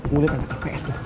mulai kata kps tuh